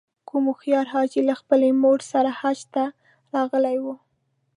کوم هوښیار حاجي له خپلې مور سره حج ته راغلی و.